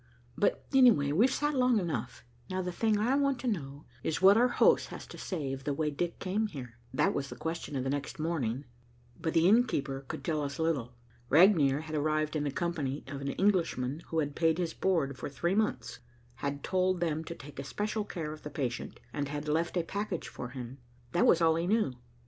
"But, anyway, we've sat long enough. Now the thing I want to know is what our host has to say of the way Dick came here." That was the question of the next morning, but the innkeeper could tell us little. Regnier had arrived in the company of an Englishman who had paid his board for three months, had told them to take especial care of the patient, and had left a package for him. That was all he knew.